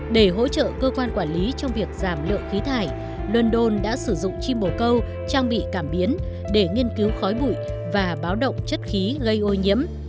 để hỗ trợ cơ quan quản lý trong việc giảm lượng khí thải london đã sử dụng chim bổ câu trang bị cảm biến để nghiên cứu khói bụi và báo động chất khí gây ô nhiễm